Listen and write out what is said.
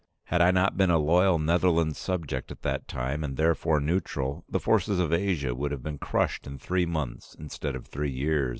Had I not been a loyal Netherlands subject at that time, and therefore neutral, the forces of Asia would have been crushed in three months instead of three years.